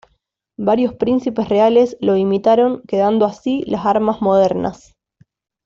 Varios príncipes reales lo imitaron quedando así las armas modernas.